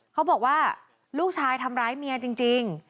เขาบอกว่าลูกชายทำร้ายเมียจริง